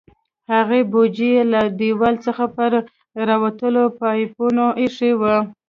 هغه بوجۍ یې له دیوال څخه پر راوتلو پایپونو ایښې وې.